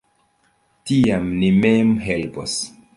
Tiam ni mem helpos!